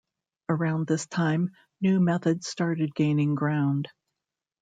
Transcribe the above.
Around this time, new methods started gaining ground.